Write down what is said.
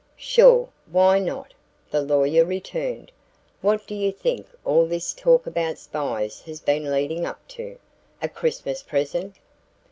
"Sure why not?" the lawyer returned. "What do you think all this talk about spies has been leading up to? a Christmas present?